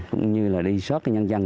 cũng như là đi soát nhân dân